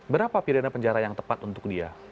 berapa pidana penjara yang tepat untuk dia